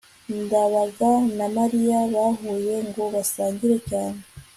ndabaga na mariya bahuye ngo basangire cyane